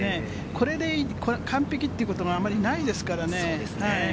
これで完璧ということがあまりないですからね。